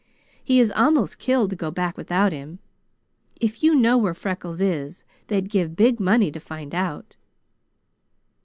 He is almost killed to go back without him. If you know where Freckles is, they'd give big money to find out."